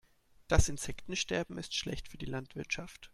Das Insektensterben ist schlecht für die Landwirtschaft.